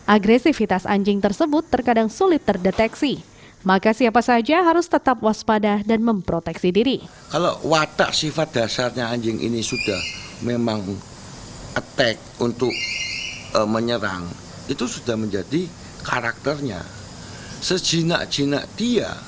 agresifitas anjing pitbull ini dapat keluar saat ia merasa terancam